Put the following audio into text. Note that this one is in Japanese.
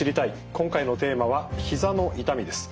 今回のテーマは「ひざの痛み」です。